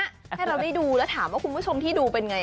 ให้เราได้ดูแล้วถามว่าคุณผู้ชมที่ดูเป็นไง